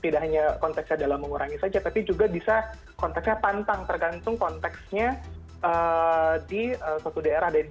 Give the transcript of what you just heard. tidak hanya konteksnya dalam mengurangi saja tapi juga bisa konteksnya pantang tergantung konteksnya di suatu daerah